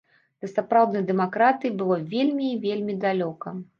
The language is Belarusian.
Да сапраўднай дэмакратыі было вельмі і вельмі далёка.